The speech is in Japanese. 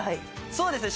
そうですね。